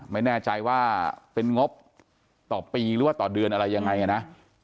ไม่แน่ใจว่าเป็นงบต่อปีหรือว่าต่อเดือนอะไรยังไงนะ